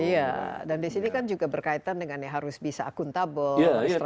iya dan di sini kan juga berkaitan dengan ya harus bisa akuntabel harus transparan